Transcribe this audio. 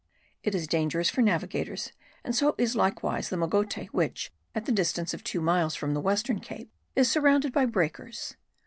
It is dangerous for navigators, and so is likewise the Mogote which, at the distance of two miles from the western cape, is surrounded by breakers.